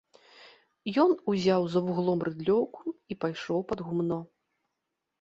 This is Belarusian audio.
Ён узяў за вуглом рыдлёўку і пайшоў пад гумно.